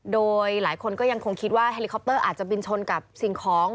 โดยหลายคนก็ยังคงคิดว่าเฮลิคอปเตอร์อาจจะบินชนกับสิ่งของ